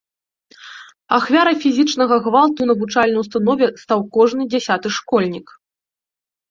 Ахвярай фізічнага гвалту ў навучальнай установе стаў кожны дзясяты школьнік.